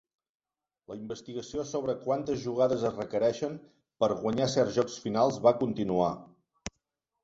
La investigació sobre quantes jugades es requereixen per guanyar certs jocs finals va continuar.